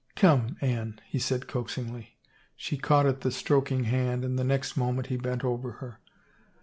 " Come, Anne," he said coaxingly. She caught at the stroking hand and the next moment he bent over her.